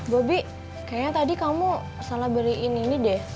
bubi kayaknya tadi kamu salah beriin ini deh